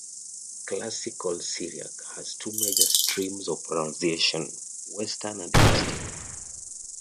Classical Syriac has two major streams of pronunciation: western and eastern.